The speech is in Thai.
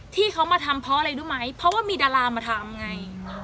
ที่เขามาทำเพราะอะไรรู้ไหมเพราะว่ามีดารามาทำไง